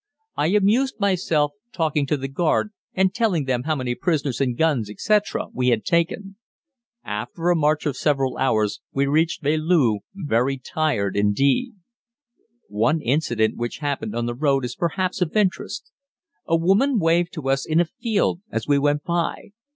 I amused myself talking to the guard and telling them how many prisoners and guns, etc., we had taken. After a march of several hours we reached Velu, very tired indeed. One incident which happened on the road is perhaps of interest. A woman waved to us in a field as we went by.